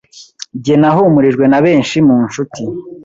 Jye nahumurijwe nabesnhi munshuti